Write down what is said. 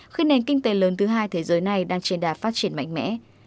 khi nền kinh tế lớn thứ hai thế giới này đang trên đà phát triển mạnh mẽ